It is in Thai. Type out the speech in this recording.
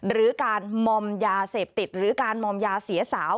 หรือการมอมยาเสพติดหรือการมอมยาเสียสาว